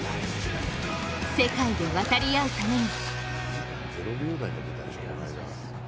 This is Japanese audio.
世界で渡り合うために。